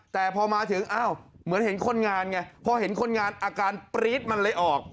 แต่พอมาถึงอ้าวเหมือนเห็นคนงานไงพอเห็นคนงานอาการปรี๊ดมันเลยออก